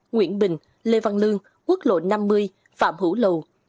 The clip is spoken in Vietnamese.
nguyễn bình lê văn lương quốc lộ năm mươi phạm hữu lầu